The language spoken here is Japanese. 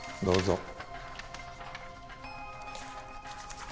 どうぞ。